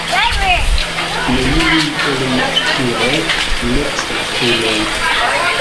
Neniuj el martiroj, nek sanktuloj.